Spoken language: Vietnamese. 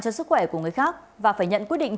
cho sức khỏe của người khác và phải nhận quyết định